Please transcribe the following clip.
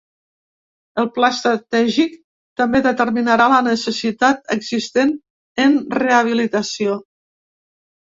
El pla estratègic també determinarà la necessitat existent en rehabilitació.